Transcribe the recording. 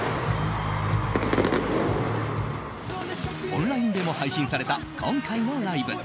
オンラインでも配信された今回のライブ。